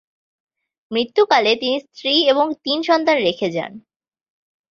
মৃত্যুকালে তিনি স্ত্রী এবং তিন সন্তান রেখে যান।